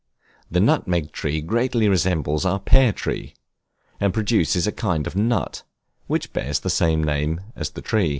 The nutmeg tree greatly resembles our pear tree, and produces a kind of nut, which bears the same name as the tree.